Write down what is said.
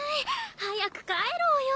早く帰ろうよ！